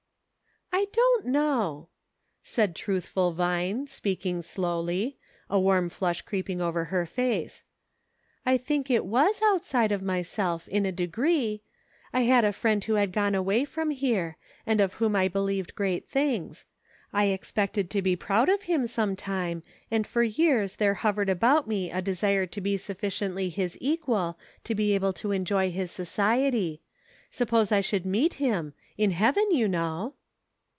"I don't know," said truthful Vine, speaking slowly, a warm flush creeping over her face ;" I think it was outside of myself in a degree. I had 254 EVOLUTION. a friend who had gone away from here, and of whom I believed great things. I expected to be proud of him some time, and for years there hov ered about me a desire to be sufficiently his equal to be able to enjoy his society; suppose I should meet him — in heaven, you know."